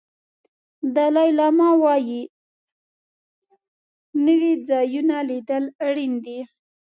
دالای لاما وایي نوي ځایونه لیدل اړین دي.